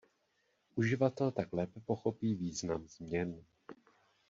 Uživatel tak lépe pochopí význam změn.